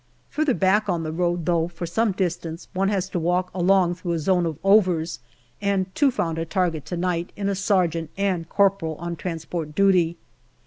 Further back on the road, though, for some distance one has to walk along through a zone of " overs," and two found a target to night in a sergeant and corporal on transport duty.